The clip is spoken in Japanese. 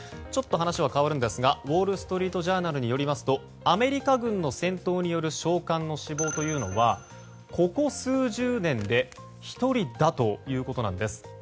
ちょっと話は変わるんですがウォール・ストリート・ジャーナルによりますとアメリカ軍の戦闘による将官の死亡というのはここ数十年で１人だということなんです。